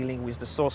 alam sekitar masalah